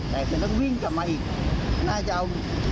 แต่คือต้องวิ่งกลับมาอีกน่าจะเอา